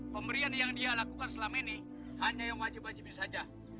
pemberian yang dia lakukan selama ini hanya yang wajib wajibnya saja